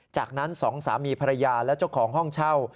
จากนั้นสองสามีภรรยาและเจ้าของห้องเช่า